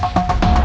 aku kasih tau